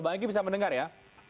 bang engki bisa mendengar ya